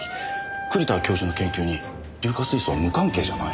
栗田教授の研究に硫化水素は無関係じゃない。